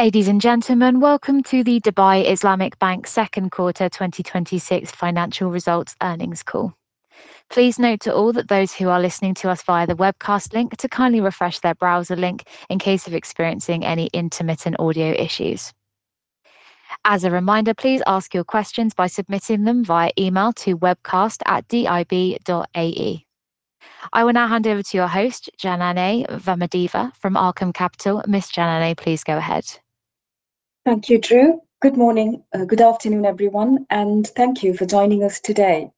Ladies and gentlemen, welcome to the Dubai Islamic Bank second quarter 2026 financial results earnings call. Please note to all that those who are listening to us via the webcast link to kindly refresh their browser link in case of experiencing any intermittent audio issues. As a reminder, please ask your questions by submitting them via email to webcast@dib.ae. I will now hand over to your host, Janany Vamadeva from Arqaam Capital. Ms. Janany, please go ahead. Thank you, Drew. Good morning, good afternoon, everyone, and thank you for joining us today.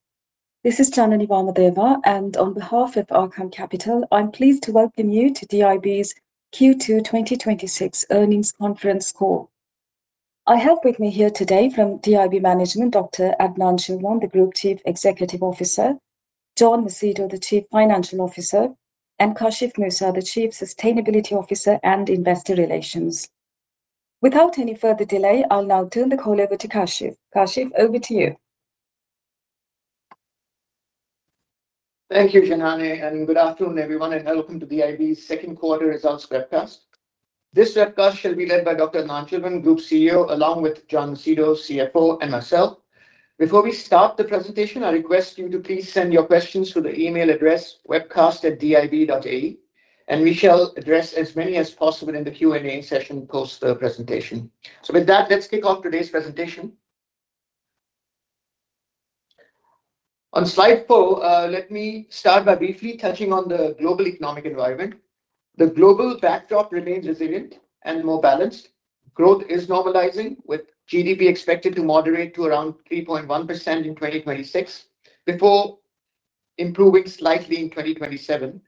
This is Janany Vamadeva, on behalf of Arqaam Capital, I'm pleased to welcome you to DIB's Q2 2026 earnings conference call. I have with me here today from DIB management, Dr. Adnan Chilwan, the Group Chief Executive Officer, John Macedo, the Chief Financial Officer, Kashif Moosa, the Chief Sustainability Officer and investor relations. Without any further delay, I'll now turn the call over to Kashif. Kashif, over to you. Thank you, Janany. Good afternoon, everyone, and welcome to DIB's second quarter results webcast. This webcast shall be led by Dr. Adnan Chilwan, Group CEO, along with John Macedo, CFO, and myself. Before we start the presentation, I request you to please send your questions through the email address webcast@dib.ae, we shall address as many as possible in the Q&A session post the presentation. With that, let's kick off today's presentation. On slide four, let me start by briefly touching on the global economic environment. The global backdrop remains resilient and more balanced. Growth is normalizing, with GDP expected to moderate to around 3.1% in 2026 before improving slightly in 2027.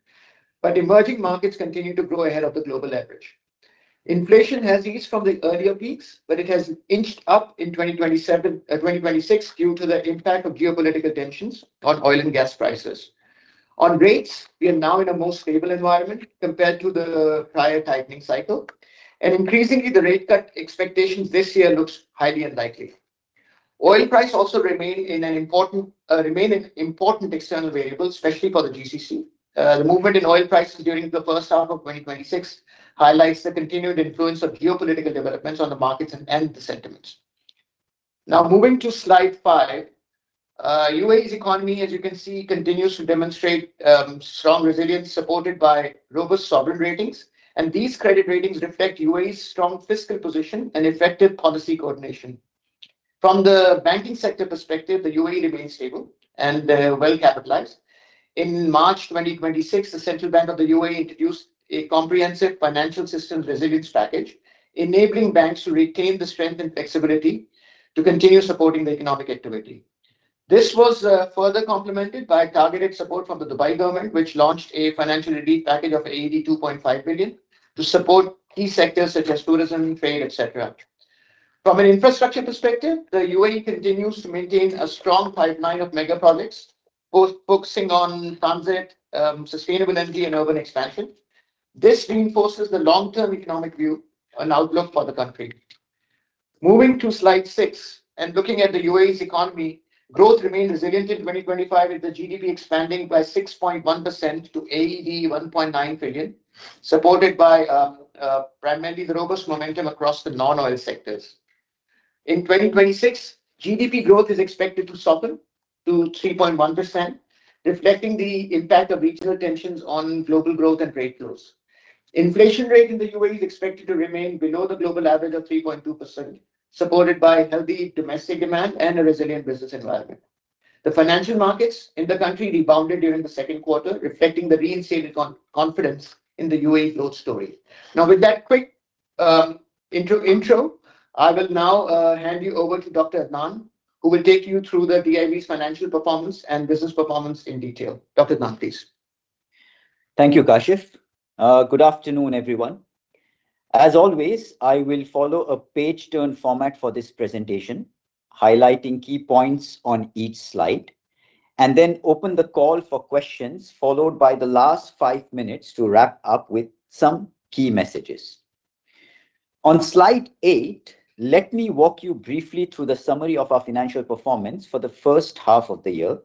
Emerging markets continue to grow ahead of the global average. Inflation has eased from the earlier peaks, it has inched up in 2026 due to the impact of geopolitical tensions on oil and gas prices. On rates, we are now in a more stable environment compared to the prior tightening cycle, increasingly the rate cut expectations this year looks highly unlikely. Oil price also remain an important external variable, especially for the GCC. The movement in oil prices during the first half of 2026 highlights the continued influence of geopolitical developments on the markets and end sentiments. Moving to slide five. UAE's economy, as you can see, continues to demonstrate strong resilience supported by robust sovereign ratings, these credit ratings reflect UAE's strong fiscal position and effective policy coordination. From the banking sector perspective, the UAE remains stable and well-capitalized. In March 2026, the Central Bank of the UAE introduced a comprehensive Financial Institution Resilience Package, enabling banks to retain the strength and flexibility to continue supporting the economic activity. This was further complemented by targeted support from the Dubai government, which launched a financial relief package of 2.5 billion to support key sectors such as tourism, trade, et cetera. From an infrastructure perspective, the UAE continues to maintain a strong pipeline of mega projects, both focusing on transit, sustainable energy, and urban expansion. This reinforces the long-term economic view and outlook for the country. Moving to slide six, and looking at the UAE's economy, growth remained resilient in 2025, with the GDP expanding by 6.1% to AED 1.9 trillion, supported by primarily the robust momentum across the non-oil sectors. In 2026, GDP growth is expected to soften to 3.1%, reflecting the impact of regional tensions on global growth and rate growth. Inflation rate in the UAE is expected to remain below the global average of 3.2%, supported by healthy domestic demand and a resilient business environment. The financial markets in the country rebounded during the second quarter, reflecting the reinstated confidence in the UAE growth story. Now, with that quick intro, I will now hand you over to Dr. Adnan, who will take you through the DIB's financial performance and business performance in detail. Dr. Adnan, please. Thank you, Kashif. Good afternoon, everyone. As always, I will follow a page turn format for this presentation, highlighting key points on each slide, and then open the call for questions, followed by the last five minutes to wrap up with some key messages. On slide eight, let me walk you briefly through the summary of our financial performance for the first half of the year.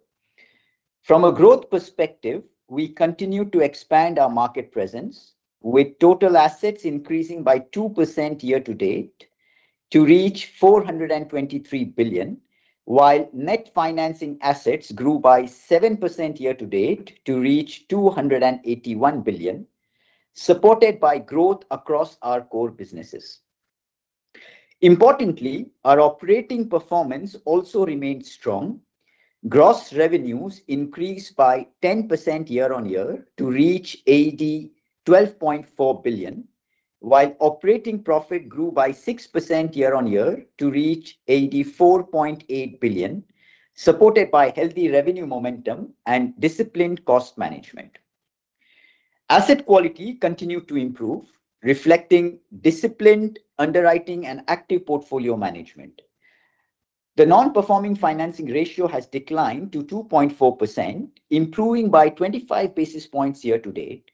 From a growth perspective, we continue to expand our market presence, with total assets increasing by 2% year to date to reach 423 billion, while net financing assets grew by 7% year to date to reach 281 billion, supported by growth across our core businesses. Importantly, our operating performance also remained strong. Gross revenues increased by 10% year-on-year to reach 12.4 billion, while operating profit grew by 6% year-on-year to reach 4.8 billion, supported by healthy revenue momentum and disciplined cost management. Asset quality continued to improve, reflecting disciplined underwriting and active portfolio management. The non-performing financing ratio has declined to 2.4%, improving by 25 basis points year to date,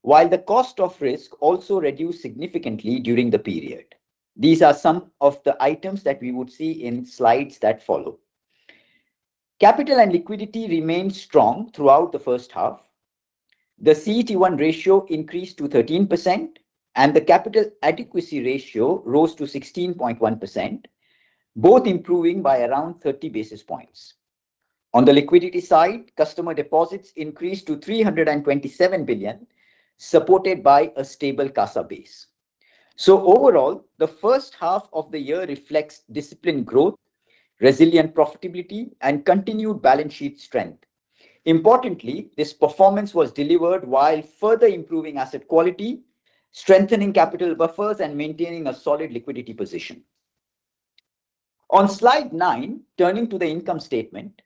while the cost of risk also reduced significantly during the period. These are some of the items that we would see in slides that follow. Capital and liquidity remained strong throughout the first half. The CET1 ratio increased to 13%, and the capital adequacy ratio rose to 16.1%, both improving by around 30 basis points. On the liquidity side, customer deposits increased to 327 billion, supported by a stable CASA base. Overall, the first half of the year reflects disciplined growth, resilient profitability, and continued balance sheet strength. Importantly, this performance was delivered while further improving asset quality, strengthening capital buffers, and maintaining a solid liquidity position. On slide nine, turning to the income statement.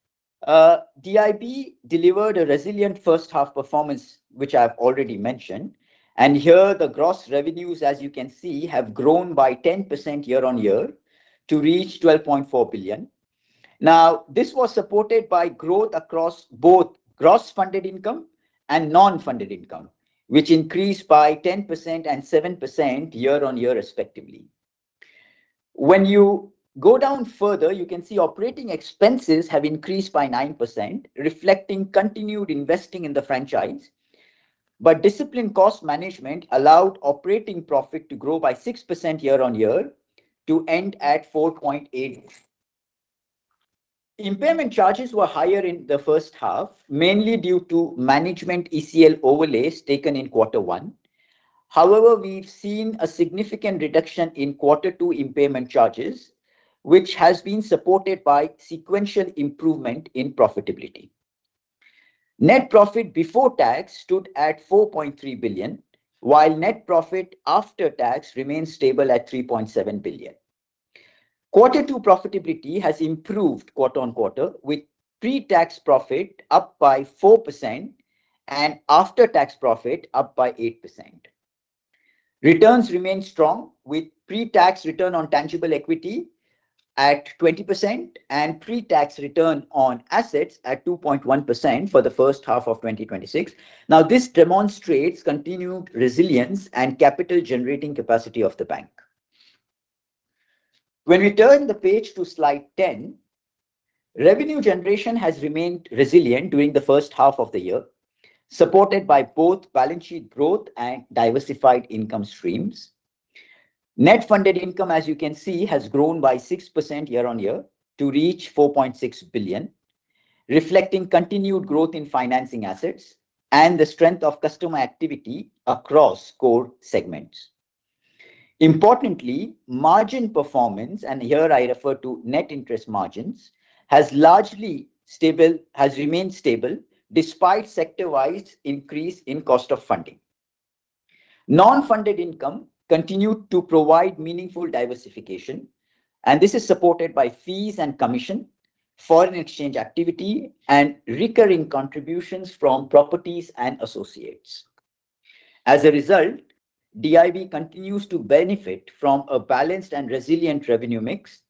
DIB delivered a resilient first half performance, which I've already mentioned, and here the gross revenues, as you can see, have grown by 10% year-on-year to reach 12.4 billion. This was supported by growth across both gross funded income and non-funded income, which increased by 10% and 7% year-on-year respectively. When you go down further, you can see operating expenses have increased by 9%, reflecting continued investing in the franchise. Disciplined cost management allowed operating profit to grow by 6% year-on-year to end at 4.8 billion. Impairment charges were higher in the first half, mainly due to management ECL overlays taken in quarter one. We've seen a significant reduction in quarter two impairment charges, which has been supported by sequential improvement in profitability. Net profit before tax stood at 4.3 billion, while net profit after tax remains stable at 3.7 billion. Quarter two profitability has improved quarter-on-quarter, with pre-tax profit up by 4% and after-tax profit up by 8%. Returns remain strong, with pre-tax return on tangible equity at 20% and pre-tax return on assets at 2.1% for the first half of 2026. This demonstrates continued resilience and capital generating capacity of the bank. When we turn the page to slide 10, revenue generation has remained resilient during the first half of the year, supported by both balance sheet growth and diversified income streams. Net funded income, as you can see, has grown by 6% year-on-year to reach 4.6 billion, reflecting continued growth in financing assets and the strength of customer activity across core segments. Importantly, margin performance, and here I refer to net interest margins, has remained stable despite sector-wide increase in cost of funding. Non-funded income continued to provide meaningful diversification, and this is supported by fees and commission, foreign exchange activity, and recurring contributions from properties and associates. As a result, DIB continues to benefit from a balanced and resilient revenue mix,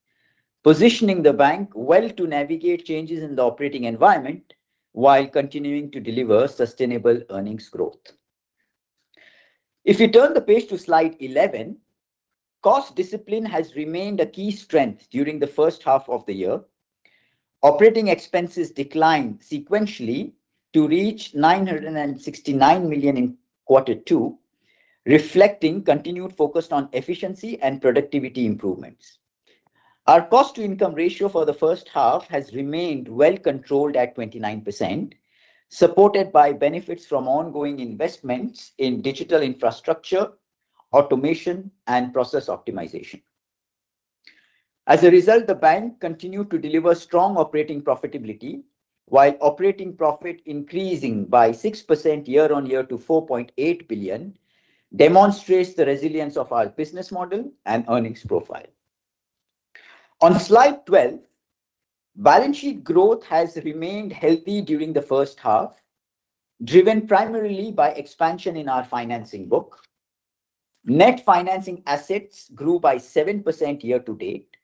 positioning the bank well to navigate changes in the operating environment while continuing to deliver sustainable earnings growth. If you turn the page to slide 11, cost discipline has remained a key strength during the first half of the year. Operating expenses declined sequentially to reach 969 million in quarter two, reflecting continued focus on efficiency and productivity improvements. Our cost-to-income ratio for the first half has remained well controlled at 29%, supported by benefits from ongoing investments in digital infrastructure, automation, and process optimization. As a result, the bank continued to deliver strong operating profitability while operating profit increasing by 6% year-on-year to 4.8 billion, demonstrates the resilience of our business model and earnings profile. On slide 12, balance sheet growth has remained healthy during the first half, driven primarily by expansion in our financing book. Net financing assets grew by 7% year-to-date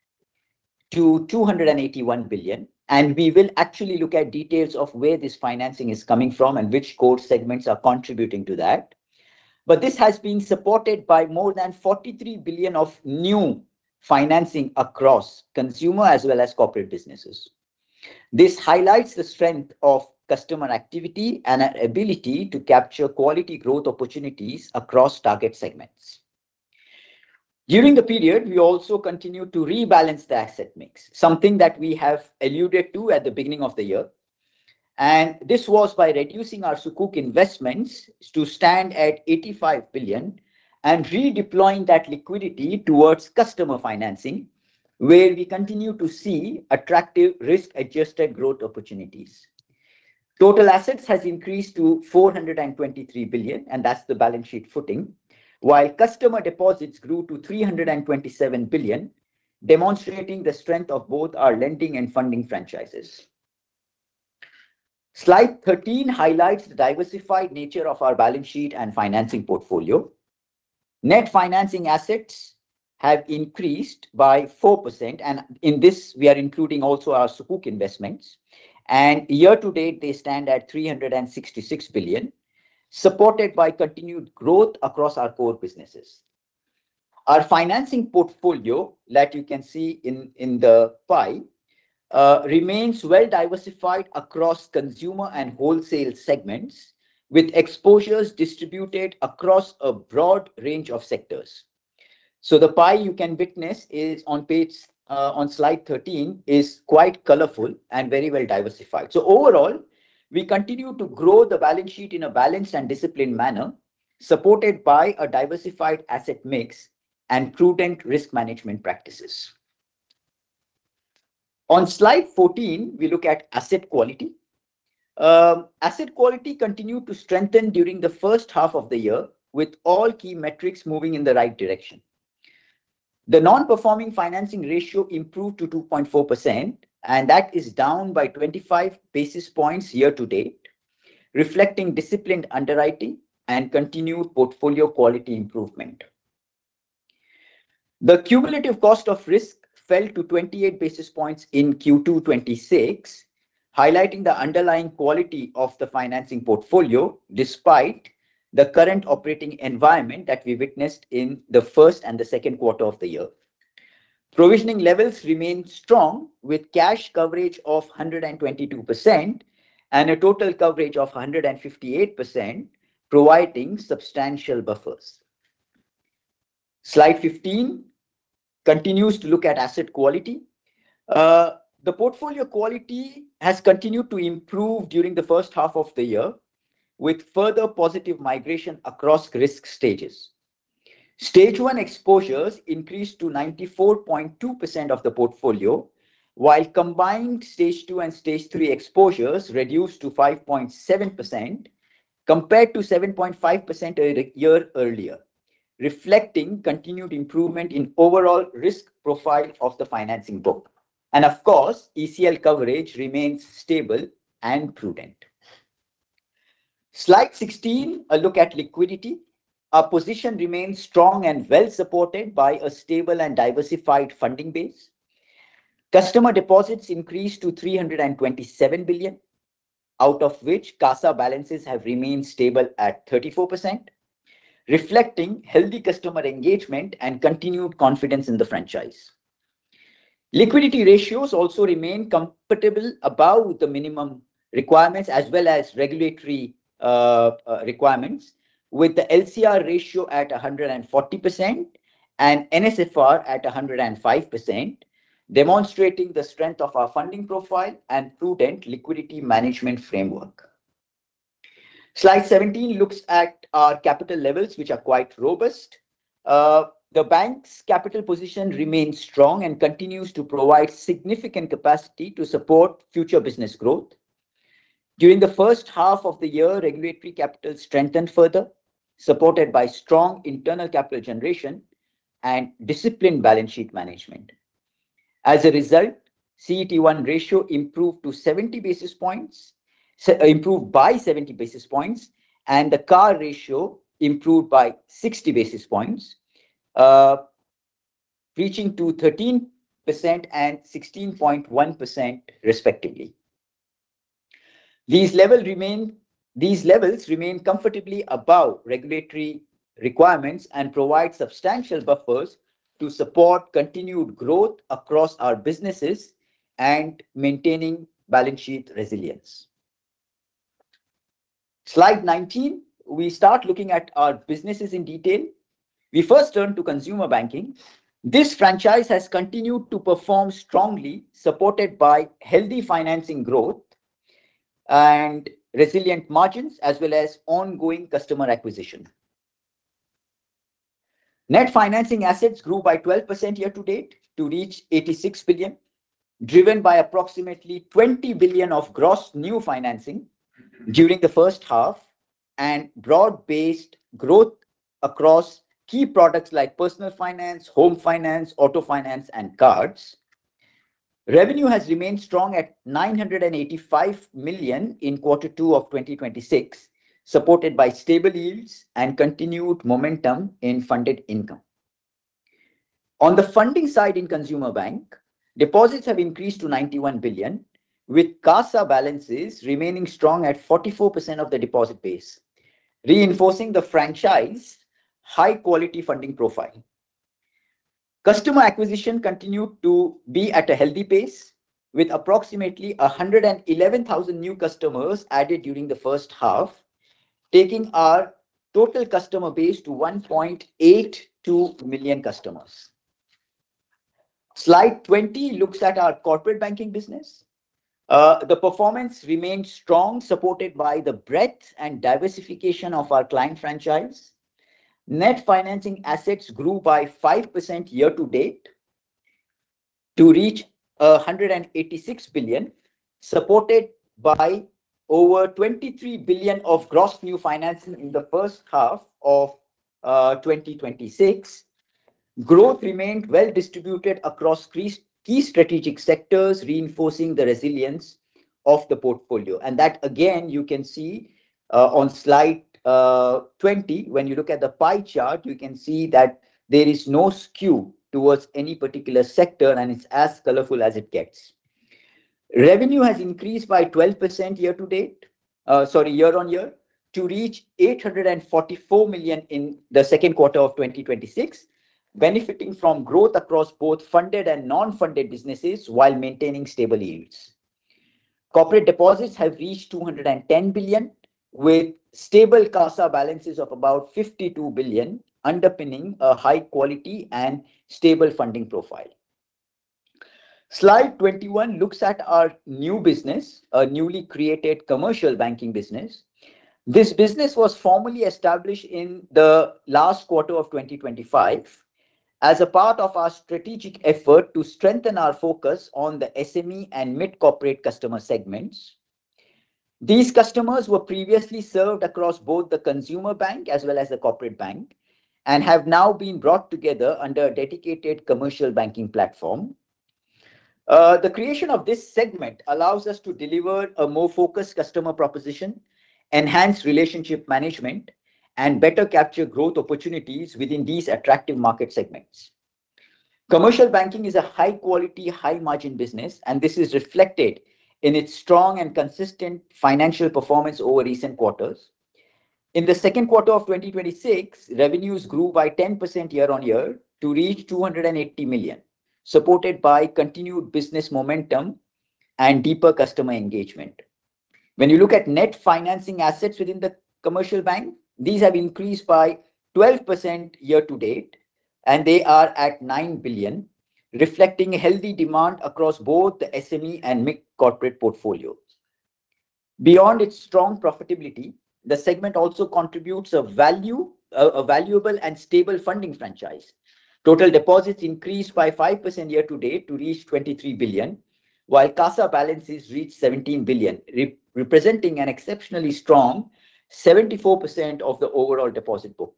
to 281 billion, and we will actually look at details of where this financing is coming from and which core segments are contributing to that. This has been supported by more than 43 billion of new financing across consumer as well as corporate businesses. This highlights the strength of customer activity and an ability to capture quality growth opportunities across target segments. During the period, we also continued to rebalance the asset mix, something that we have alluded to at the beginning of the year. This was by reducing our Sukuk investments to stand at 85 billion and redeploying that liquidity towards customer financing, where we continue to see attractive risk-adjusted growth opportunities. Total assets has increased to 423 billion, and that's the balance sheet footing. While customer deposits grew to 327 billion, demonstrating the strength of both our lending and funding franchises. Slide 13 highlights the diversified nature of our balance sheet and financing portfolio. Net financing assets have increased by 4%, in this, we are including also our Sukuk investments. Year-to-date, they stand at 366 billion, supported by continued growth across our core businesses. Our financing portfolio, that you can see in the pie, remains well-diversified across consumer and wholesale segments, with exposures distributed across a broad range of sectors. The pie you can witness is on slide 13, is quite colorful and very well-diversified. Overall, we continue to grow the balance sheet in a balanced and disciplined manner, supported by a diversified asset mix and prudent risk management practices. On slide 14, we look at asset quality. Asset quality continued to strengthen during the first half of the year, with all key metrics moving in the right direction. The non-performing financing ratio improved to 2.4%, that is down by 25 basis points year to date, reflecting disciplined underwriting and continued portfolio quality improvement. The cumulative cost of risk fell to 28 basis points in Q2 2026, highlighting the underlying quality of the financing portfolio, despite the current operating environment that we witnessed in the first and the second quarter of the year. Provisioning levels remain strong, with cash coverage of 122% and a total coverage of 158%, providing substantial buffers. Slide 15 continues to look at asset quality. The portfolio quality has continued to improve during the first half of the year, with further positive migration across risk stages. Stage one exposures increased to 94.2% of the portfolio, while combined stage two and stage three exposures reduced to 5.7%, compared to 7.5% a year earlier, reflecting continued improvement in overall risk profile of the financing book. Of course, ECL coverage remains stable and prudent. Slide 16, a look at liquidity. Our position remains strong and well-supported by a stable and diversified funding base. Customer deposits increased to 327 billion, out of which CASA balances have remained stable at 34%, reflecting healthy customer engagement and continued confidence in the franchise. Liquidity ratios also remain comfortable above the minimum requirements as well as regulatory requirements, with the LCR ratio at 140% and NSFR at 105%, demonstrating the strength of our funding profile and prudent liquidity management framework. Slide 17 looks at our capital levels, which are quite robust. The bank's capital position remains strong and continues to provide significant capacity to support future business growth. During the first half of the year, regulatory capital strengthened further, supported by strong internal capital generation and disciplined balance sheet management. As a result, CET1 ratio improved by 70 basis points, the CAR ratio improved by 60 basis points, reaching to 13% and 16.1% respectively. These levels remain comfortably above regulatory requirements and provide substantial buffers to support continued growth across our businesses and maintaining balance sheet resilience. Slide 19, we start looking at our businesses in detail. We first turn to consumer banking. This franchise has continued to perform strongly, supported by healthy financing growth and resilient margins, as well as ongoing customer acquisition. Net financing assets grew by 12% year to date to reach 86 billion, driven by approximately 20 billion of gross new financing during the first half and broad-based growth across key products like Personal Finance, Home Finance, Auto Finance, and Cards. Revenue has remained strong at 985 million in quarter two of 2026, supported by stable yields and continued momentum in funded income. On the funding side in consumer bank, deposits have increased to 91 billion, with CASA balances remaining strong at 44% of the deposit base, reinforcing the franchise's high-quality funding profile. Customer acquisition continued to be at a healthy pace, with approximately 111,000 new customers added during the first half, taking our total customer base to 1.82 million customers. Slide 20 looks at our corporate banking business. The performance remained strong, supported by the breadth and diversification of our client franchise. Net financing assets grew by 5% year to date to reach 186 billion, supported by over 23 billion of gross new financing in the first half of 2026. Growth remained well distributed across key strategic sectors, reinforcing the resilience of the portfolio. That, again, you can see on slide 20. When you look at the pie chart, you can see that there is no skew towards any particular sector, it's as colorful as it gets. Revenue has increased by 12% year-on-year to reach 844 million in the second quarter of 2026, benefiting from growth across both funded and non-funded businesses while maintaining stable yields. Corporate deposits have reached 210 billion, with stable CASA balances of about 52 billion, underpinning a high quality and stable funding profile. Slide 21 looks at our new business, a newly created commercial banking business. This business was formally established in the last quarter of 2025 as a part of our strategic effort to strengthen our focus on the SME and mid-corporate customer segments. These customers were previously served across both the consumer bank as well as the corporate bank, have now been brought together under a dedicated commercial banking platform. The creation of this segment allows us to deliver a more focused customer proposition, enhance relationship management, better capture growth opportunities within these attractive market segments. Commercial banking is a high-quality, high-margin business, this is reflected in its strong and consistent financial performance over recent quarters. In the second quarter of 2026, revenues grew by 10% year-on-year to reach 280 million, supported by continued business momentum and deeper customer engagement. When you look at net financing assets within the commercial bank, these have increased by 12% year to date, they are at 9 billion, reflecting healthy demand across both the SME and mid-corporate portfolios. Beyond its strong profitability, the segment also contributes a valuable and stable funding franchise. Total deposits increased by 5% year to date to reach 23 billion, while CASA balances reached 17 billion, representing an exceptionally strong 74% of the overall deposit book.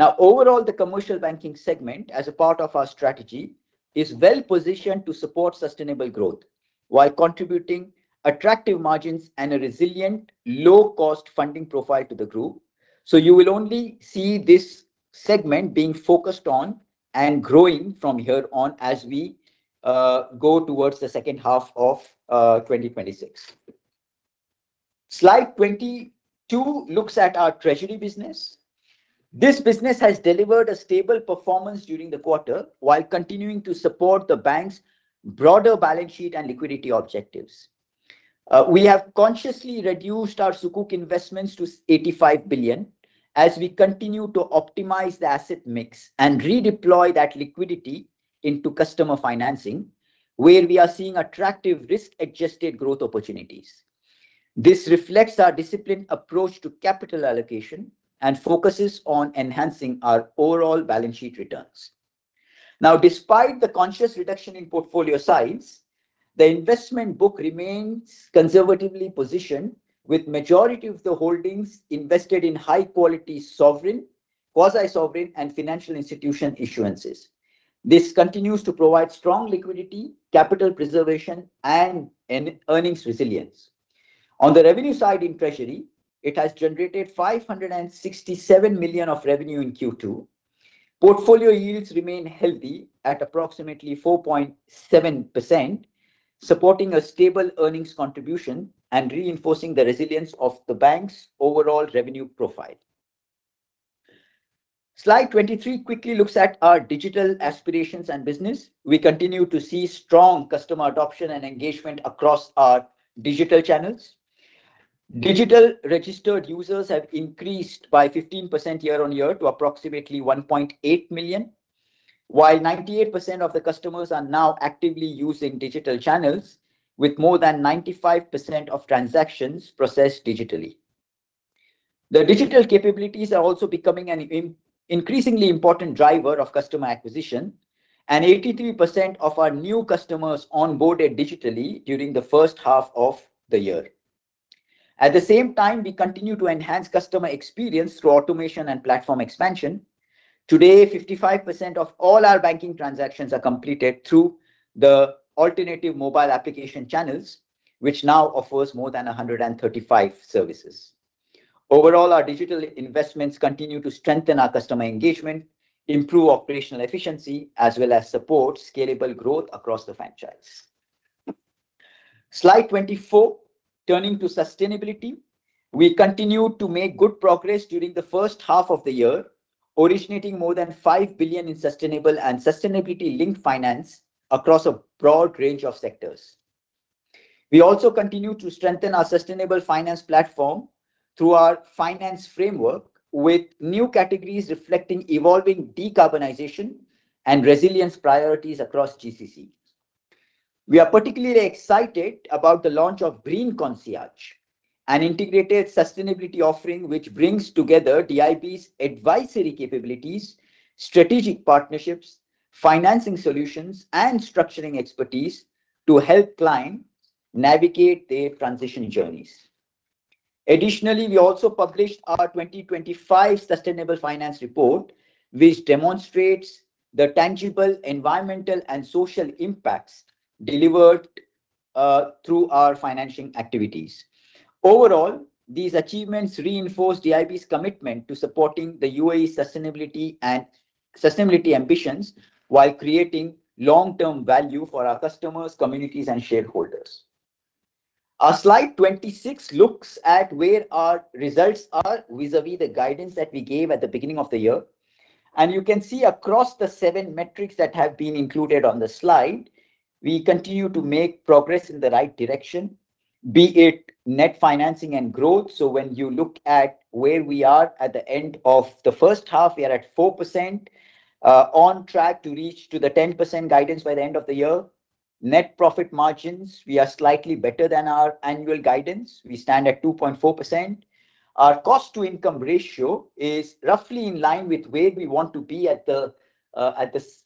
Overall, the commercial banking segment, as a part of our strategy, is well-positioned to support sustainable growth while contributing attractive margins and a resilient low-cost funding profile to the group. You will only see this segment being focused on and growing from here on as we go towards the second half of 2026. Slide 22 looks at our treasury business. This business has delivered a stable performance during the quarter while continuing to support the bank's broader balance sheet and liquidity objectives. We have consciously reduced our Sukuk investments to 85 billion as we continue to optimize the asset mix and redeploy that liquidity into customer financing, where we are seeing attractive risk-adjusted growth opportunities. This reflects our disciplined approach to capital allocation and focuses on enhancing our overall balance sheet returns. Despite the conscious reduction in portfolio size, the investment book remains conservatively positioned with majority of the holdings invested in high-quality sovereign, quasi-sovereign, and financial institution issuances. This continues to provide strong liquidity, capital preservation, and earnings resilience. On the revenue side in treasury, it has generated 567 million of revenue in Q2. Portfolio yields remain healthy at approximately 4.7%, supporting a stable earnings contribution and reinforcing the resilience of the bank's overall revenue profile. Slide 23 quickly looks at our digital aspirations and business. We continue to see strong customer adoption and engagement across our digital channels. Digital registered users have increased by 15% year on year to approximately 1.8 million, while 98% of the customers are now actively using digital channels, with more than 95% of transactions processed digitally. The digital capabilities are also becoming an increasingly important driver of customer acquisition, and 83% of our new customers onboarded digitally during the first half of the year. At the same time, we continue to enhance customer experience through automation and platform expansion. Today, 55% of all our banking transactions are completed through the alternative mobile application channels, which now offers more than 135 services. Our digital investments continue to strengthen our customer engagement, improve operational efficiency, as well as support scalable growth across the franchise. Slide 24. Turning to sustainability. We continued to make good progress during the first half of the year, originating more than 5 billion in sustainable and sustainability linked finance across a broad range of sectors. We also continue to strengthen our sustainable finance platform through our finance framework, with new categories reflecting evolving decarbonization and resilience priorities across GCC. We are particularly excited about the launch of Green Concierge, an integrated sustainability offering which brings together DIB's advisory capabilities, strategic partnerships, financing solutions, and structuring expertise to help clients navigate their transition journeys. We also published our 2025 Sustainable Finance Report, which demonstrates the tangible environmental and social impacts delivered through our financing activities. These achievements reinforce DIB's commitment to supporting the UAE sustainability ambitions while creating long-term value for our customers, communities, and shareholders. Slide 26 looks at where our results are vis-a-vis the guidance that we gave at the beginning of the year. You can see across the seven metrics that have been included on the slide, we continue to make progress in the right direction, be it net financing and growth. When you look at where we are at the end of the first half, we are at 4%, on track to reach to the 10% guidance by the end of the year. Net profit margins, we are slightly better than our annual guidance. We stand at 2.4%. Our cost-to-income ratio is roughly in line with where we want to be at the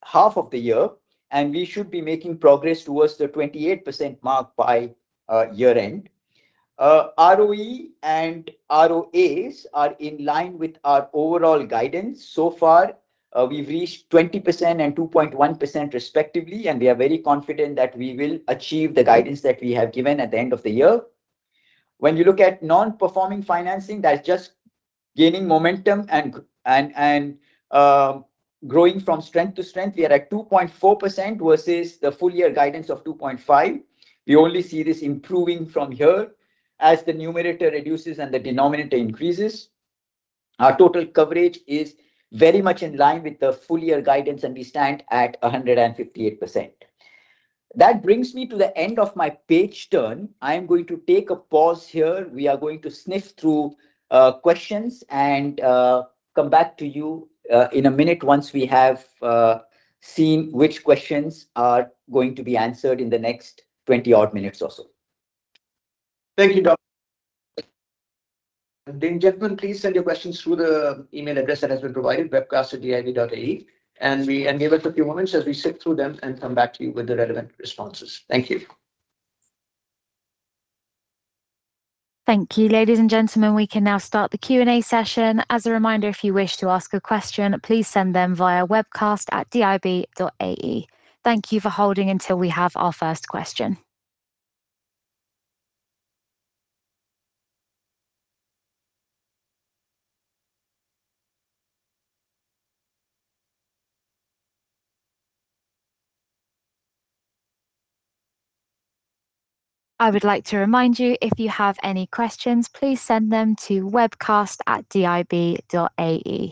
half of the year, and we should be making progress towards the 28% mark by year-end. ROE and ROAs are in line with our overall guidance. Far, we've reached 20% and 2.1% respectively, and we are very confident that we will achieve the guidance that we have given at the end of the year. When you look at non-performing financing, that's just gaining momentum and growing from strength to strength. We are at 2.4% versus the full year guidance of 2.5%. We only see this improving from here as the numerator reduces and the denominator increases. Our total coverage is very much in line with the full year guidance, and we stand at 158%. Brings me to the end of my page turn. I am going to take a pause here. We are going to sniff through questions and come back to you in a minute once we have seen which questions are going to be answered in the next 20-odd minutes or so. Thank you, Dr. Adnan. Gentlemen, please send your questions through the email address that has been provided, webcast@dib.ae, give us a few moments as we sift through them and come back to you with the relevant responses. Thank you. Thank you, ladies and gentlemen. We can now start the Q&A session. As a reminder, if you wish to ask a question, please send them via webcast@dib.ae. Thank you for holding until we have our first question. I would like to remind you, if you have any questions, please send them to webcast@dib.ae.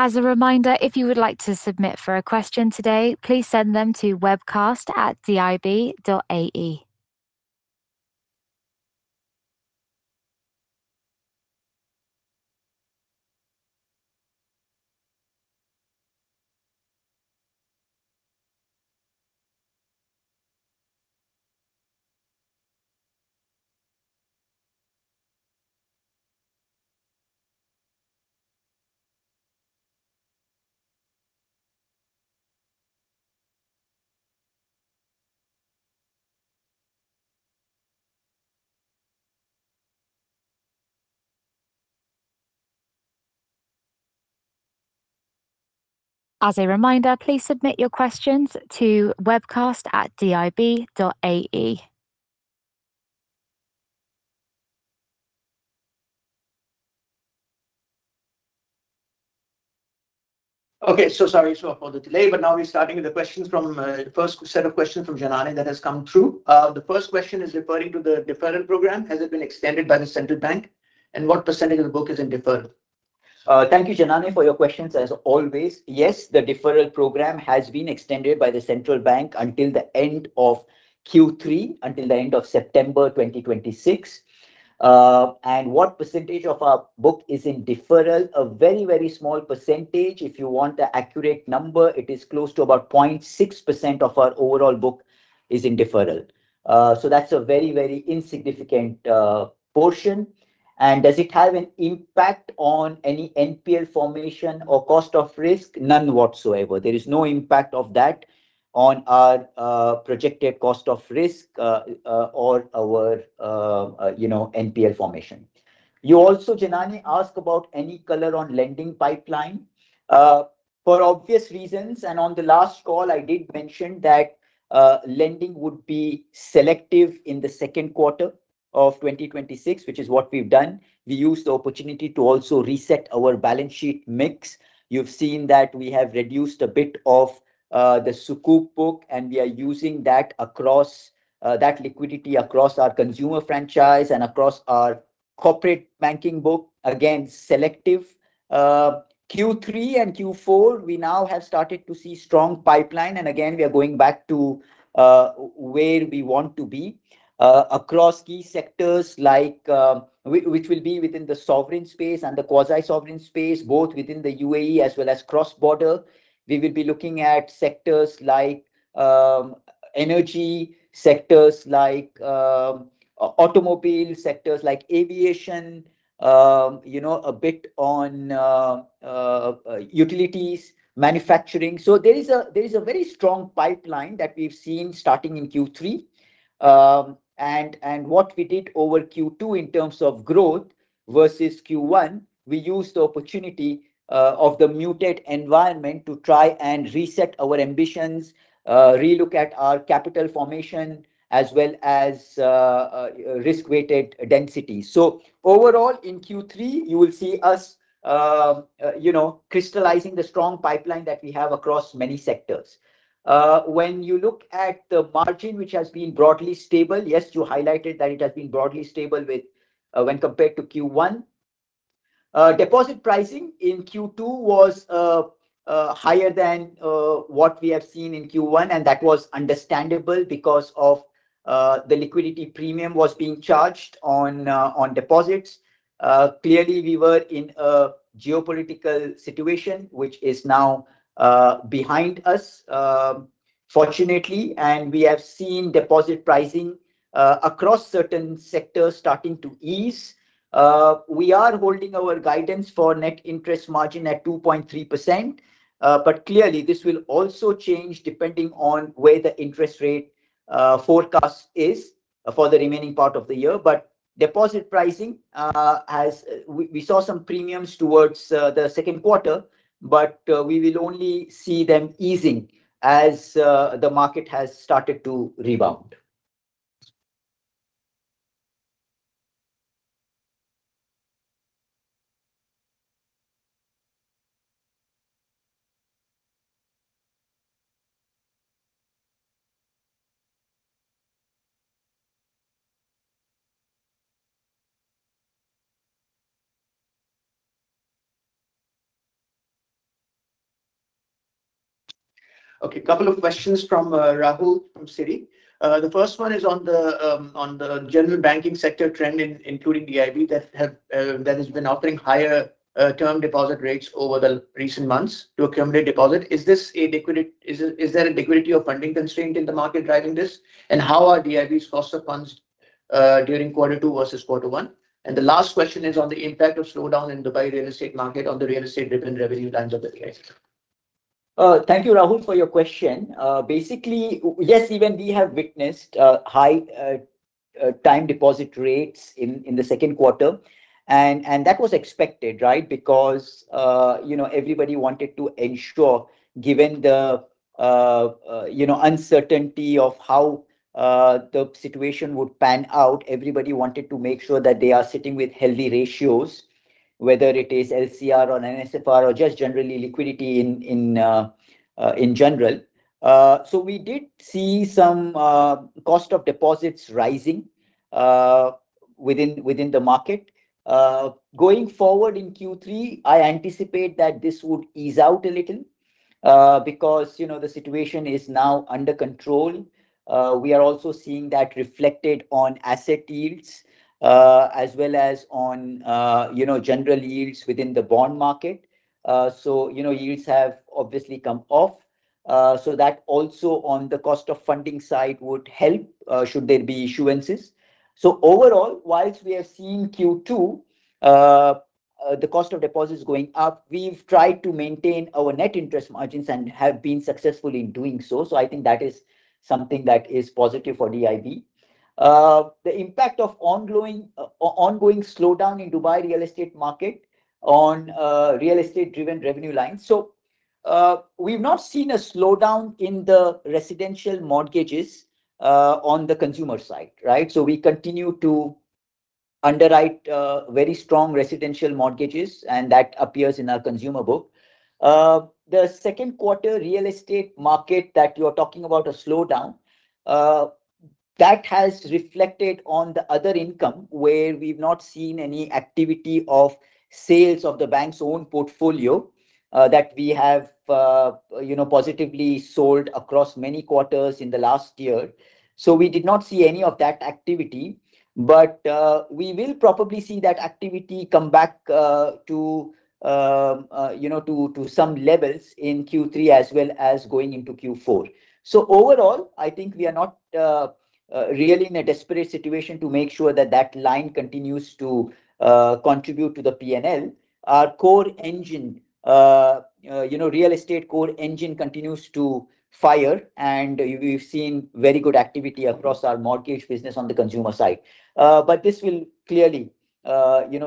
As a reminder, if you would like to submit for a question today, please send them to webcast@dib.ae. As a reminder, please submit your questions to webcast@dib.ae. Sorry for the delay, now we're starting with the first set of questions from Janany that has come through. The first question is referring to the deferral program. Has it been extended by the Central Bank? What percentage of the book is in deferral? Thank you, Janany, for your questions, as always. Yes, the deferral program has been extended by the Central Bank until the end of Q3, until the end of September 2026. What percentage of our book is in deferral? A very, very small percentage. If you want the accurate number, it is close to about 0.6% of our overall book is in deferral. That's a very, very insignificant portion. Does it have an impact on any NPL formation or cost of risk? None whatsoever. There is no impact of that on our projected cost of risk, or our NPL formation. You also, Janany, ask about any color on lending pipeline. For obvious reasons, on the last call, I did mention that lending would be selective in the second quarter of 2026, which is what we've done. We used the opportunity to also reset our balance sheet mix. You've seen that we have reduced a bit of the Sukuk book, we are using that liquidity across our consumer franchise and across our corporate banking book. Again, selective. Q3 and Q4, we now have started to see strong pipeline, again, we are going back to where we want to be. Across key sectors, which will be within the sovereign space and the quasi-sovereign space, both within the UAE as well as cross-border. We will be looking at Energy sectors like automobile sectors, like aviation, a bit on utilities, manufacturing. There is a very strong pipeline that we've seen starting in Q3. What we did over Q2 in terms of growth versus Q1, we used the opportunity of the muted environment to try and reset our ambitions, relook at our capital formation, as well as risk-weighted density. Overall, in Q3, you will see us crystallizing the strong pipeline that we have across many sectors. When you look at the margin, which has been broadly stable, yes, you highlighted that it has been broadly stable when compared to Q1. Deposit pricing in Q2 was higher than what we have seen in Q1, that was understandable because of the liquidity premium was being charged on deposits. Clearly, we were in a geopolitical situation, which is now behind us, fortunately, we have seen deposit pricing across certain sectors starting to ease. We are holding our guidance for net interest margin at 2.3%, clearly, this will also change depending on where the interest rate forecast is for the remaining part of the year. Deposit pricing, we saw some premiums towards the second quarter, but we will only see them easing as the market has started to rebound. Okay. A couple of questions from Rahul from Citi. The first one is on the general banking sector trend, including DIB, that has been offering higher term deposit rates over the recent months to accumulate deposit. Is there a liquidity of funding constraint in the market driving this? How are DIB's cost of funds during quarter two versus quarter one? The last question is on the impact of slowdown in Dubai real estate market on the real estate driven revenue lines of the case. Thank you, Rahul, for your question. Yes, even we have witnessed high time deposit rates in the second quarter, and that was expected, right? Everybody wanted to ensure, given the uncertainty of how the situation would pan out, everybody wanted to make sure that they are sitting with healthy ratios, whether it is LCR or NSFR or just generally liquidity in general. We did see some cost of deposits rising within the market. Going forward in Q3, I anticipate that this would ease out a little, because the situation is now under control. We are also seeing that reflected on asset yields as well as on general yields within the bond market. Yields have obviously come off. That also on the cost of funding side would help, should there be issuances. Overall, whilst we have seen Q2, the cost of deposits going up, we've tried to maintain our net interest margins and have been successful in doing so. I think that is something that is positive for DIB. The impact of ongoing slowdown in Dubai real estate market on real estate driven revenue lines. We've not seen a slowdown in the residential mortgages on the consumer side, right? We continue to underwrite very strong residential mortgages, and that appears in our consumer book. The second quarter real estate market that you're talking about a slowdown, that has reflected on the other income where we've not seen any activity of sales of the bank's own portfolio that we have positively sold across many quarters in the last year. We did not see any of that activity, but we will probably see that activity come back to some levels in Q3 as well as going into Q4. Overall, I think we are not really in a desperate situation to make sure that that line continues to contribute to the P&L. Our core engine, real estate core engine continues to fire, and we've seen very good activity across our mortgage business on the consumer side. This will clearly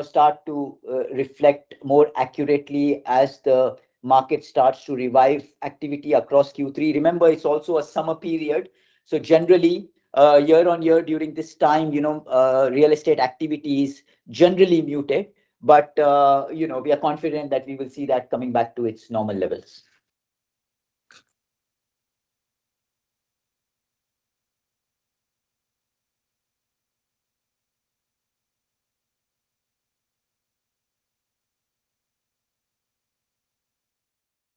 start to reflect more accurately as the market starts to revive activity across Q3. Remember, it's also a summer period, so generally, year-on-year during this time, real estate activity is generally muted. We are confident that we will see that coming back to its normal levels.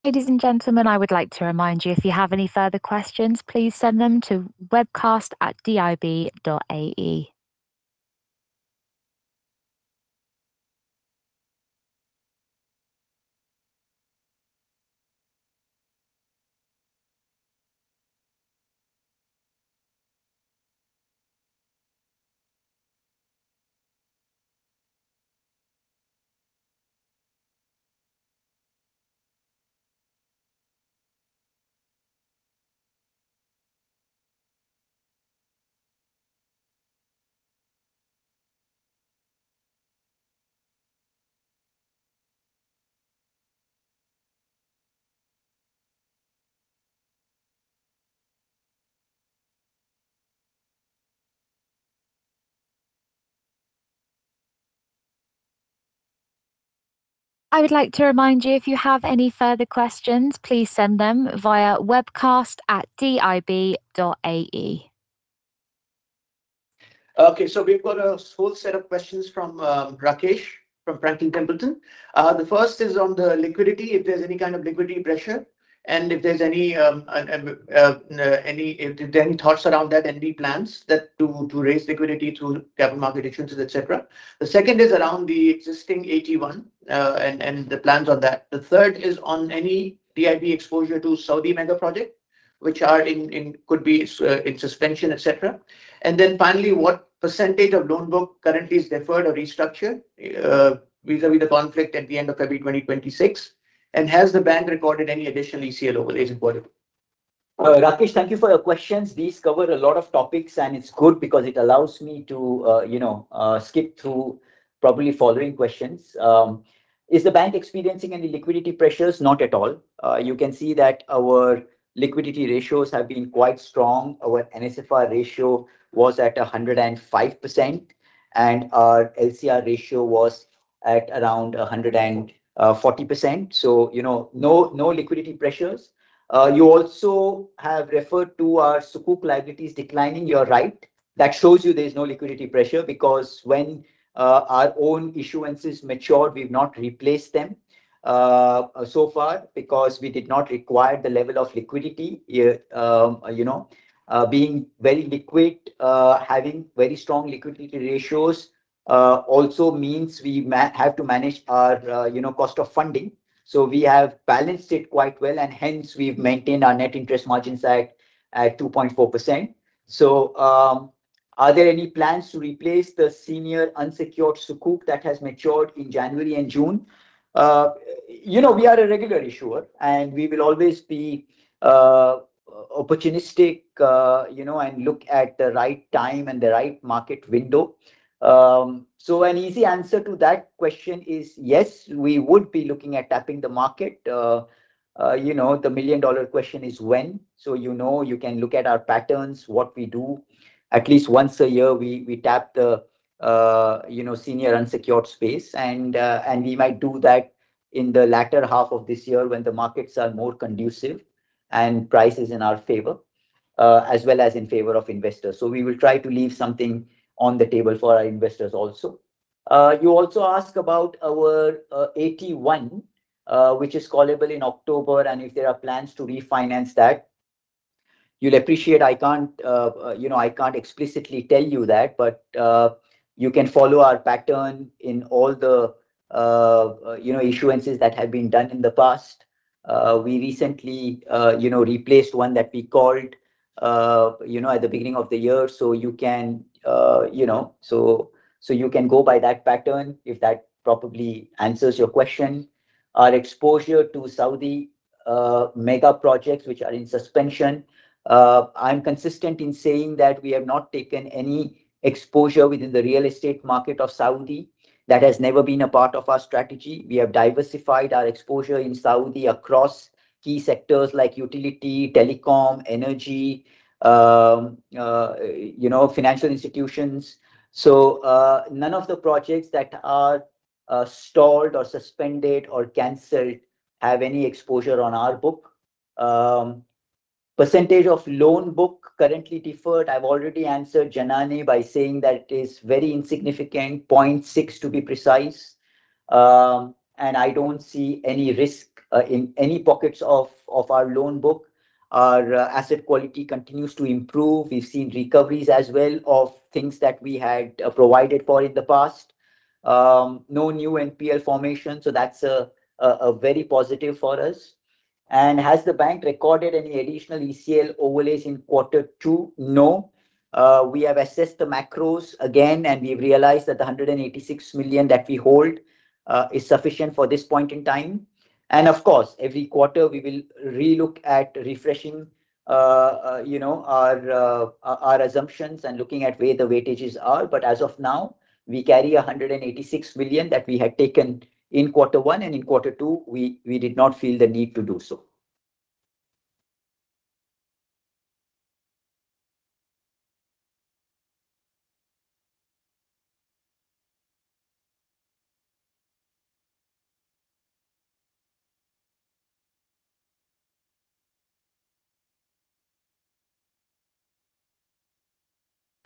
Ladies and gentlemen, I would like to remind you, if you have any further questions, please send them to webcast@dib.ae. I would like to remind you, if you have any further questions, please send them via webcast@dib.ae. We've got a whole set of questions from Rakesh from Franklin Templeton. The first is on the liquidity, if there's any kind of liquidity pressure, and if there are any thoughts around that, any plans to raise liquidity through capital market issuances, et cetera. The second is around the existing AT1, and the plans on that. The third is on any DIB exposure to Saudi mega project, which could be in suspension, et cetera. Finally, what percentage of loan book currently is deferred or restructured vis-à-vis the conflict at the end of February 2026, and has the bank recorded any additional ECL overlays in quarter two? Rakesh, thank you for your questions. These cover a lot of topics. It's good because it allows me to skip through probably following questions. Is the bank experiencing any liquidity pressures? Not at all. You can see that our liquidity ratios have been quite strong. Our NSFR ratio was at 105%, and our LCR ratio was at around 140%. No liquidity pressures. You also have referred to our Sukuk liabilities declining. You're right. That shows you there's no liquidity pressure because when our own issuances mature, we've not replaced them so far because we did not require the level of liquidity. Being very liquid, having very strong liquidity ratios also means we have to manage our cost of funding. We have balanced it quite well, and hence we've maintained our net interest margin at 2.4%. Are there any plans to replace the senior unsecured Sukuk that has matured in January and June? We are a regular issuer, and we will always be opportunistic, and look at the right time and the right market window. An easy answer to that question is yes, we would be looking at tapping the market. The million-dollar question is when. You can look at our patterns, what we do. At least once a year, we tap the senior unsecured space, and we might do that in the latter half of this year when the markets are more conducive and price is in our favor, as well as in favor of investors. We will try to leave something on the table for our investors also. You also ask about our AT1, which is callable in October, and if there are plans to refinance that. You'll appreciate I can't explicitly tell you that, but you can follow our pattern in all the issuances that have been done in the past. We recently replaced one that we called at the beginning of the year. You can go by that pattern, if that probably answers your question. Our exposure to Saudi mega projects, which are in suspension. I'm consistent in saying that we have not taken any exposure within the real estate market of Saudi. That has never been a part of our strategy. We have diversified our exposure in Saudi across key sectors like utility, telecom, energy, financial institutions. None of the projects that are stalled or suspended or canceled have any exposure on our book. Percentage of loan book currently deferred, I've already answered Janany by saying that it is very insignificant, 0.6% to be precise. I don't see any risk in any pockets of our loan book. Our asset quality continues to improve. We've seen recoveries as well of things that we had provided for in the past. No new NPL formation, that's very positive for us. Has the bank recorded any additional ECL overlays in quarter two? No. We have assessed the macros again, and we've realized that the 186 million that we hold is sufficient for this point in time. Of course, every quarter we will re-look at refreshing our assumptions and looking at where the weightages are. As of now, we carry 186 million that we had taken in quarter one, and in quarter two, we did not feel the need to do so.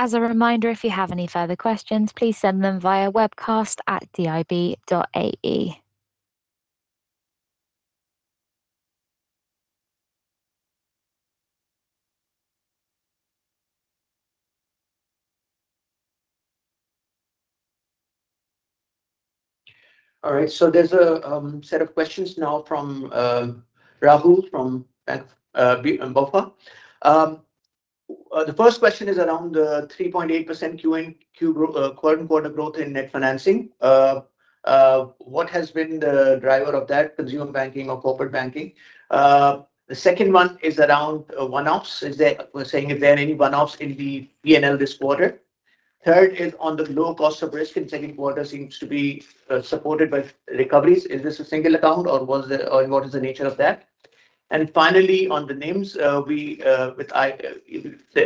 As a reminder, if you have any further questions, please send them via webcast@dib.ae. All right. There's a set of questions now from Rahul from BofA. The first question is around the 3.8% QoQ quarter-on-quarter growth in net financing. What has been the driver of that? Consumer banking or corporate banking? The second one is around one-offs. Saying if there are any one-offs in the P&L this quarter. Third is on the low cost of risk in second quarter seems to be supported by recoveries. Is this a single account or what is the nature of that? Finally, on the NIMs, the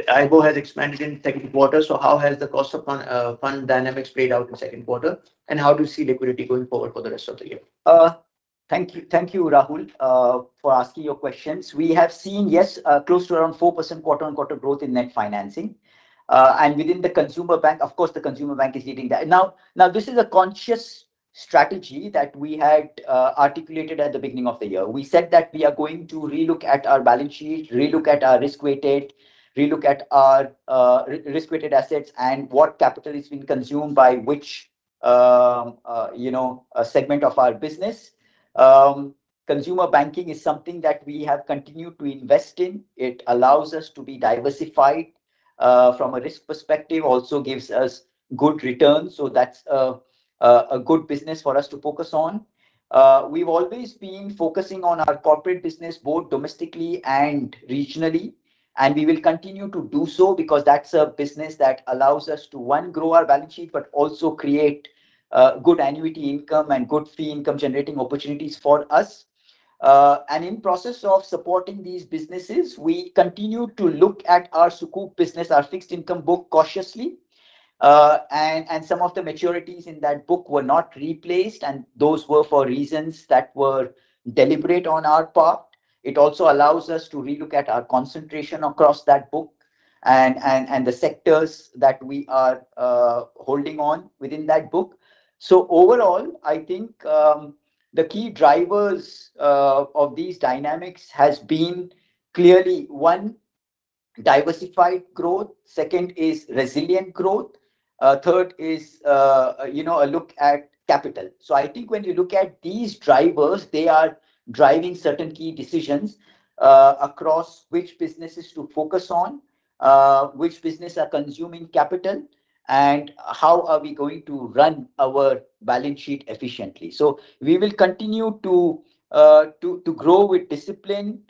EIBOR has expanded in second quarter, how has the cost of fund dynamics played out in second quarter, and how do you see liquidity going forward for the rest of the year? Thank you, Rahul, for asking your questions. We have seen, yes, close to around 4% quarter-on-quarter growth in net financing. Within the consumer bank, of course, the consumer bank is leading that. This is a conscious strategy that we had articulated at the beginning of the year. We said that we are going to relook at our balance sheet, relook at our risk-weighted assets, and what capital is being consumed by which segment of our business. Consumer banking is something that we have continued to invest in. It allows us to be diversified from a risk perspective, also gives us good returns. That's a good business for us to focus on. We've always been focusing on our corporate business, both domestically and regionally. We will continue to do so because that's a business that allows us to, one, grow our balance sheet, but also create good annuity income and good fee income generating opportunities for us. In process of supporting these businesses, we continue to look at our Sukuk business, our fixed income book cautiously. Some of the maturities in that book were not replaced, and those were for reasons that were deliberate on our part. It also allows us to relook at our concentration across that book and the sectors that we are holding on within that book. Overall, I think the key drivers of these dynamics has been clearly, one, diversified growth, second is resilient growth, third is a look at capital. I think when you look at these drivers, they are driving certain key decisions across which businesses to focus on, which business are consuming capital, and how are we going to run our balance sheet efficiently. We will continue to grow with discipline.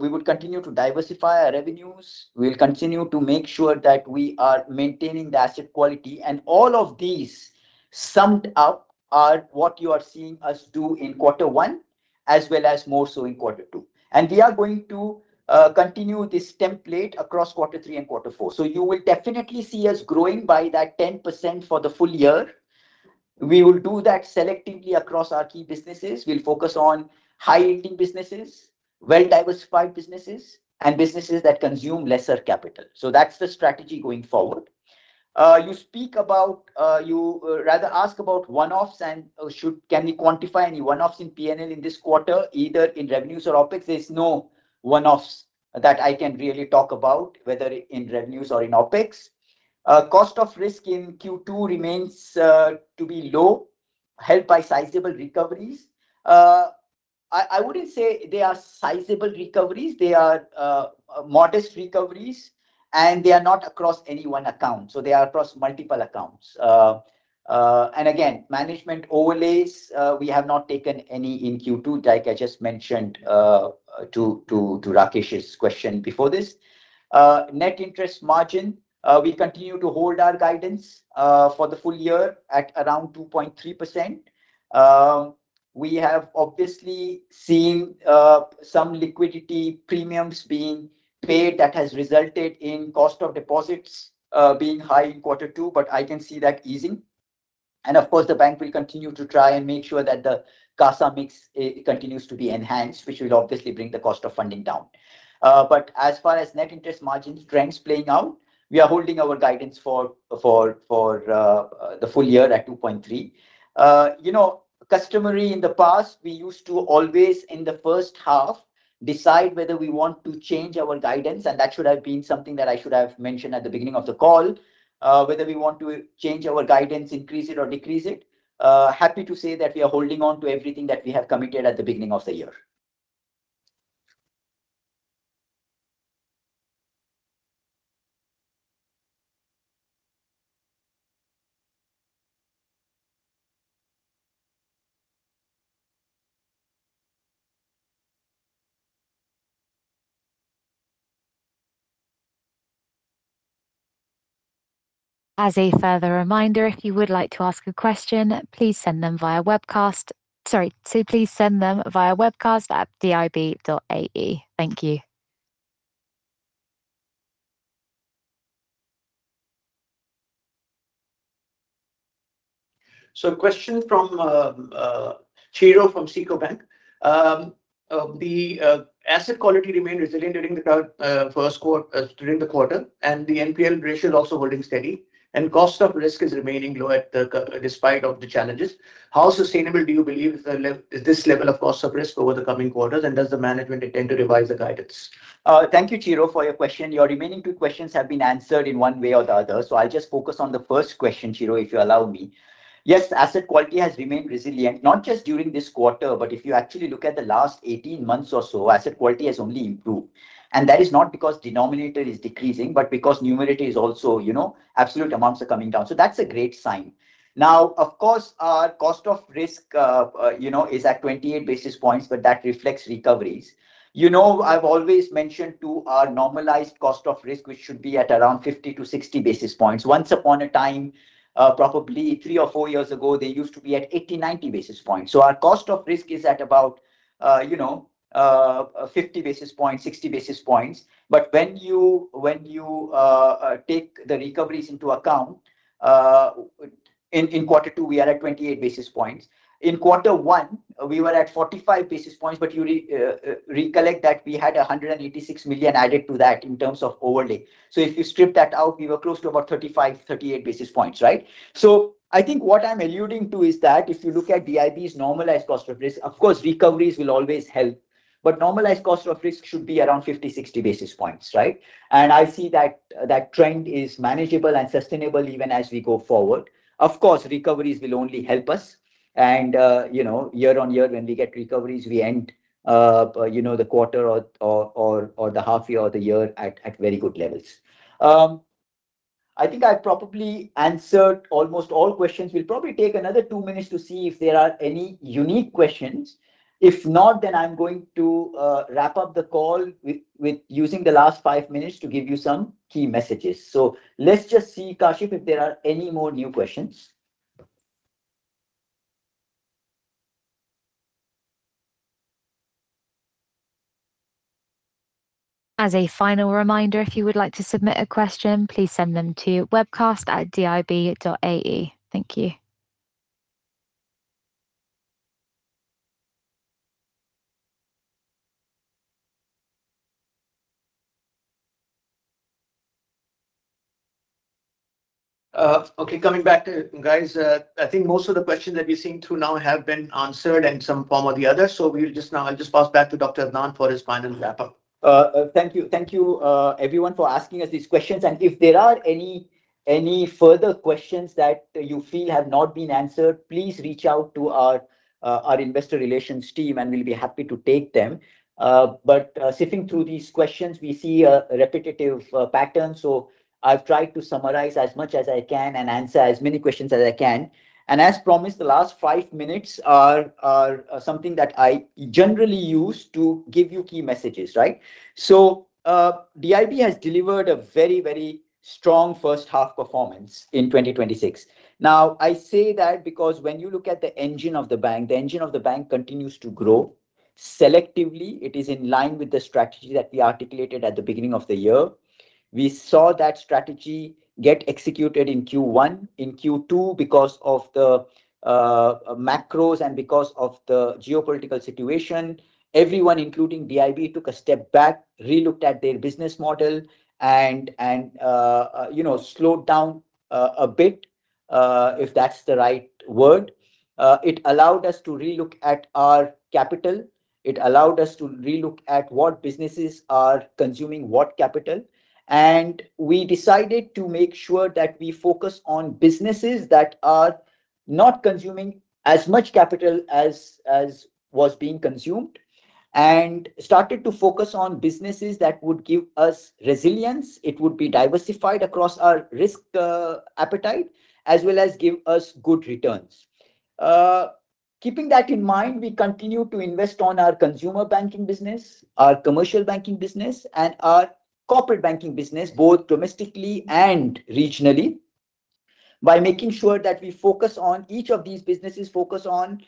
We would continue to diversify our revenues. We'll continue to make sure that we are maintaining the asset quality. All of these summed up are what you are seeing us do in quarter one, as well as more so in quarter two. We are going to continue this template across quarter three and quarter four. You will definitely see us growing by that 10% for the full year. We will do that selectively across our key businesses. We'll focus on high yield businesses, well diversified businesses, and businesses that consume lesser capital. That's the strategy going forward. You rather ask about one-offs and can we quantify any one-offs in P&L in this quarter, either in revenues or OpEx? There's no one-offs that I can really talk about, whether in revenues or in OpEx. cost of risk in Q2 remains to be low, helped by sizable recoveries. I wouldn't say they are sizable recoveries. They are modest recoveries. They are not across any one account. They are across multiple accounts. Again, management overlays, we have not taken any in Q2, like I just mentioned to Rakesh's question before this. net interest margin, we continue to hold our guidance for the full year at around 2.3%. We have obviously seen some liquidity premiums being paid that has resulted in cost of deposits being high in quarter two, but I can see that easing. Of course, the bank will continue to try and make sure that the CASA mix continues to be enhanced, which will obviously bring the cost of funding down. As far as net interest margins trends playing out, we are holding our guidance for the full year at 2.3%. Customary in the past, we used to always in the first half decide whether we want to change our guidance. That should have been something that I should have mentioned at the beginning of the call, whether we want to change our guidance, increase it or decrease it. Happy to say that we are holding on to everything that we have committed at the beginning of the year. As a further reminder, if you would like to ask a question, please send them via webcast. Please send them via webcast@dib.ae. Thank you. Question from Chiro from SICO Bank. The asset quality remained resilient during the quarter, and the NPL ratio is also holding steady, and cost of risk is remaining low despite of the challenges. How sustainable do you believe is this level of cost of risk over the coming quarters? Does the management intend to revise the guidance? Thank you, Chiro, for your question. Your remaining two questions have been answered in one way or the other. I'll just focus on the first question, Chiro, if you allow me. Yes, asset quality has remained resilient, not just during this quarter, but if you actually look at the last 18 months or so, asset quality has only improved. That is not because denominator is decreasing, but because absolute amounts are coming down. That's a great sign. Now, of course, our cost of risk is at 28 basis points, but that reflects recoveries. I've always mentioned to our normalized cost of risk, which should be at around 50 basis points-60 basis points. Once upon a time, probably three or four years ago, they used to be at 80 basis points-90 basis points. Our cost of risk is at about 50 basis points, 60 basis points. When you take the recoveries into account, in quarter two, we are at 28 basis points. In quarter one, we were at 45 basis points, you recollect that we had 186 million added to that in terms of overlay. If you strip that out, we were close to about 35 basis points, 38 basis points, right? I think what I'm alluding to is that if you look at DIB's normalized cost of risk, of course, recoveries will always help. Normalized cost of risk should be around 50 basis points-60 basis points, right? I see that that trend is manageable and sustainable even as we go forward. Of course, recoveries will only help us. Year-on-year, when we get recoveries, we end the quarter or the half year or the year at very good levels. I think I probably answered almost all questions. We'll probably take another two minutes to see if there are any unique questions. If not, I'm going to wrap up the call with using the last five minutes to give you some key messages. Let's just see, Kashif, if there are any more new questions. As a final reminder, if you would like to submit a question, please send them to webcast@dib.ae. Thank you. Okay, coming back, guys. I think most of the questions that we've seen through now have been answered in some form or the other. I'll just pass back to Dr. Adnan for his final wrap-up. Thank you. Thank you, everyone, for asking us these questions. If there are any further questions that you feel have not been answered, please reach out to our investor relations team. We'll be happy to take them. Sifting through these questions, we see a repetitive pattern. I've tried to summarize as much as I can and answer as many questions as I can. As promised, the last five minutes are something that I generally use to give you key messages, right? DIB has delivered a very, very strong first half performance in 2026. Now, I say that because when you look at the engine of the bank, the engine of the bank continues to grow selectively. It is in line with the strategy that we articulated at the beginning of the year. We saw that strategy get executed in Q1. In Q2, because of the macros and because of the geopolitical situation, everyone, including DIB, took a step back, relooked at their business model, and slowed down a bit, if that's the right word. It allowed us to relook at our capital. It allowed us to relook at what businesses are consuming what capital. We decided to make sure that we focus on businesses that are not consuming as much capital as was being consumed and started to focus on businesses that would give us resilience, it would be diversified across our risk appetite, as well as give us good returns. Keeping that in mind, we continue to invest on our consumer banking business, our commercial banking business, and our corporate banking business, both domestically and regionally, by making sure that we focus on each of these businesses, focus on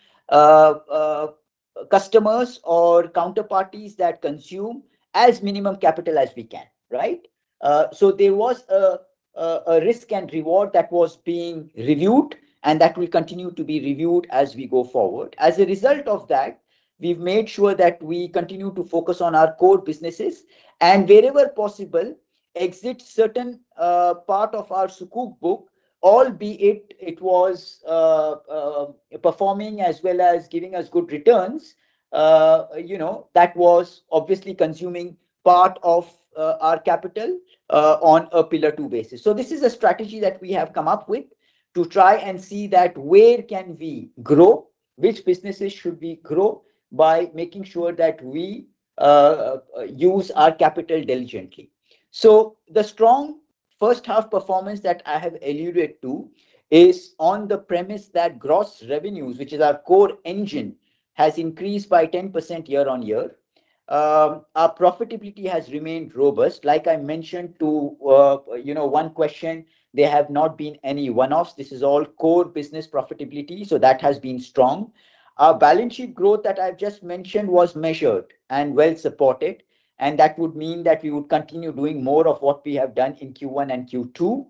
customers or counterparties that consume as minimum capital as we can. Right? There was a risk and reward that was being reviewed, and that will continue to be reviewed as we go forward. As a result of that, we've made sure that we continue to focus on our core businesses, and wherever possible, exit certain part of our Sukuk book, albeit it was performing as well as giving us good returns, that was obviously consuming part of our capital on a Pillar II basis. This is a strategy that we have come up with to try and see that where can we grow, which businesses should we grow by making sure that we use our capital diligently. The strong first half performance that I have alluded to is on the premise that gross revenues, which is our core engine, has increased by 10% year-on-year. Our profitability has remained robust. Like I mentioned to one question, there have not been any one-offs. This is all core business profitability. That has been strong. Our balance sheet growth that I've just mentioned was measured and well supported. That would mean that we would continue doing more of what we have done in Q1 and Q2.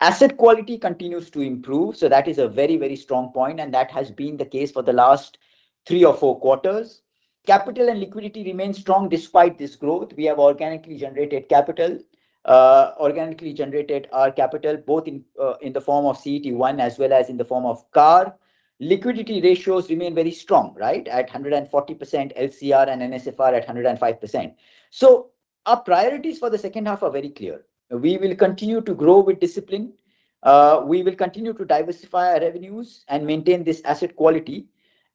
Asset quality continues to improve. That is a very, very strong point, and that has been the case for the last three or four quarters. Capital and liquidity remain strong despite this growth. We have organically generated capital, organically generated our capital both in the form of CET1 as well as in the form of CAR. Liquidity ratios remain very strong, right, at 140% LCR and NSFR at 105%. Our priorities for the second half are very clear. We will continue to grow with discipline. We will continue to diversify our revenues and maintain this asset quality,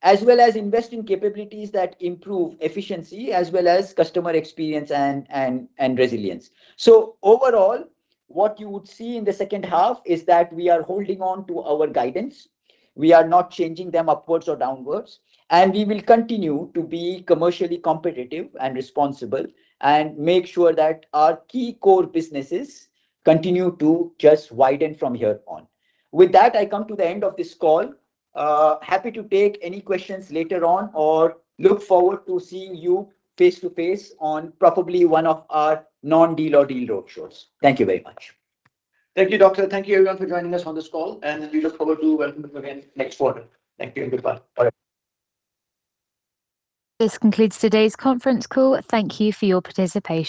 as well as invest in capabilities that improve efficiency as well as customer experience and resilience. Overall, what you would see in the second half is that we are holding on to our guidance. We are not changing them upwards or downwards, and we will continue to be commercially competitive and responsible and make sure that our key core businesses continue to just widen from here on. With that, I come to the end of this call. Happy to take any questions later on or look forward to seeing you face-to-face on probably one of our non-deal or deal roadshows. Thank you very much. Thank you, doctor. Thank you, everyone, for joining us on this call, and we look forward to welcoming you again next quarter. Thank you and goodbye. All right. This concludes today's conference call. Thank you for your participation.